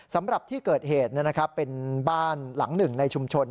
สำหรับที่เกิดเหตุเป็นบ้านหลังหนึ่งในชุมชน